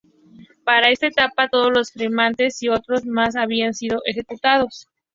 Para esa etapa, todos los firmantes y otros más habían sido ejecutados.